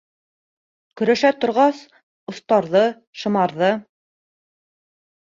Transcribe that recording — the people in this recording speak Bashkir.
Көрәшә торғас, оҫтарҙы, шымарҙы.